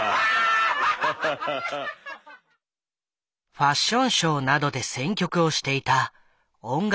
ファッションショーなどで選曲をしていた音楽